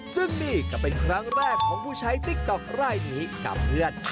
ซึ่งนี่ก็เป็นครั้งแรกของผู้ใช้ติ๊กต๊อกรายนี้กับเพื่อน